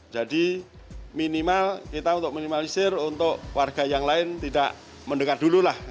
jadi minimal kita untuk minimalisir untuk warga yang lain tidak mendekat dulu lah